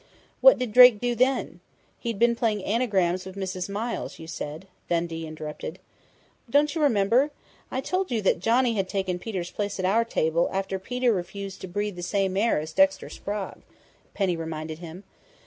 "What did Drake do then? He'd been playing anagrams with Mrs. Miles, you said," Dundee interrupted. "Don't you remember? I told you Johnny had taken Peter's place at our table after Peter refused to breathe the same air as Dexter Sprague," Penny reminded him.